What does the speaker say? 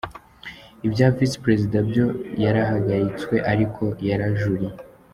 Ibya Visi Perezida byo yarahagaritswe ari ko yarajuriye.